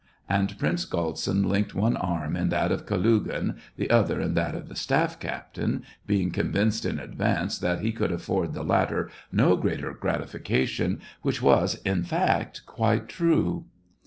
And Prince Galtsin linked one arm in that of Kalugin, the other in that of the staff captain, being convinced in advance that he could afford the latter no greater gratification, which was, in fact, quite true.